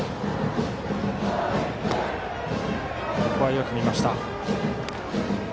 よく見ました。